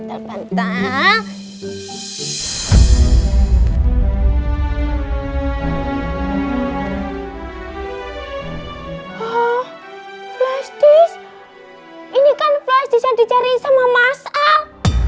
oh flash disk ini kan flash disk yang dicariin sama mas al